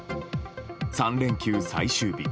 ３連休最終日。